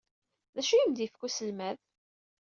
D acu ay am-d-yefka uselmad?